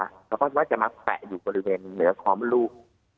กระเพาะปัสสาวะจะมาแปะอยู่บริเวณเหนือคอมมดลูก